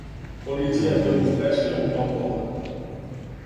Полиција је била успешнија у том погледу.